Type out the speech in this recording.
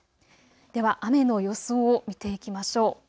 では雨の予想を見ていきましょう。